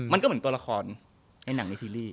มันก็เหมือนตัวละครในหนังในซีรีส์